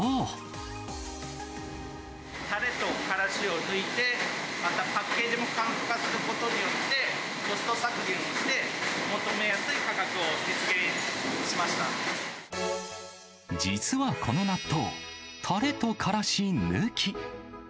たれとからしを抜いて、またパッケージも簡素化することによって、コスト削減をして、実はこの納豆、たれとからし抜き。